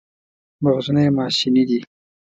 مغزونه یې ماشیني دي.